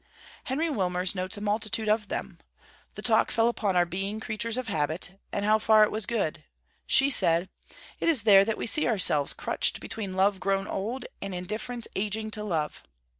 Henry Wilmers notes a multitude of them. 'The talk fell upon our being creatures of habit, and how far it was good: She said: It is there that we see ourselves crutched between love grown old and indifference ageing to love.'